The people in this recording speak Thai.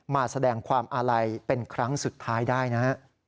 มาแสดงความอาลัยเป็นครั้งสุดท้ายได้นะฮะ